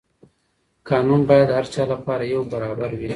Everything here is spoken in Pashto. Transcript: قانون باید د هر چا لپاره یو برابر وي.